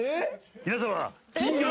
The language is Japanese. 皆様！